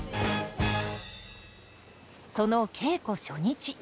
その稽古初日。